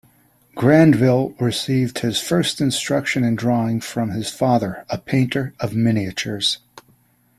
Grandville received his first instruction in drawing from his father, a painter of miniatures.